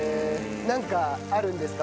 なんかあるんですか？